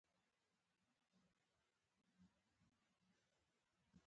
پکار ده چې مونږ خپل نوے نسل دې چيلنجونو ته